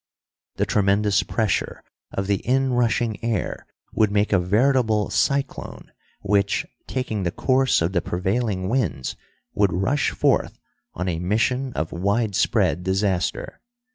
The tremendous pressure of the in rushing air would make a veritable cyclone, which, taking the course of the prevailing winds, would rush forth on a mission of widespread disaster.